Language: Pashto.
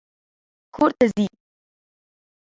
کور ته ځي